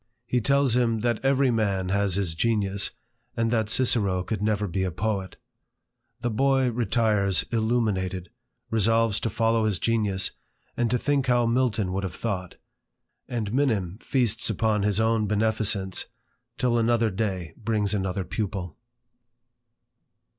He tells him, that every man has his genius, and that Cicero could never be a poet. The boy retires illuminated, resolves to follow his genius, and to think how Milton would have thought: and Minim feasts upon his own beneficence till another day brings another pupil.